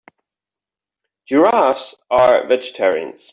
Giraffes are vegetarians.